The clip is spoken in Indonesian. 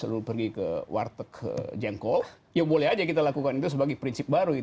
lalu pergi ke warteg jengkol ya boleh aja kita lakukan itu sebagai prinsip baru